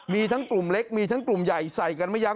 มีทั้งกลุ่มเล็กมีทั้งกลุ่มใหญ่ใส่กันไม่ยั้